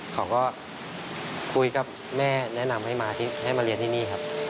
เขาก็คุยกับแม่แนะนำให้มาเรียนที่นี่ครับ